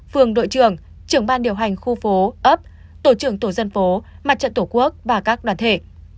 phường đội trưởng trưởng ban điều hành khu phố ấp tổ trưởng tổ dân phố mặt trận tổ quốc và các đoàn thể